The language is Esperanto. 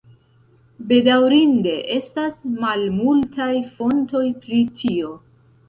Bedaŭrinde estas malmultaj fontoj pri tio.